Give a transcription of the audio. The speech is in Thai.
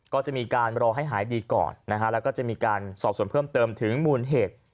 ก็จะมีการรอให้หายดีก่อนนะฮะแล้วก็จะมีการสอบส่วนเพิ่มเติมถึงมูลเหตุ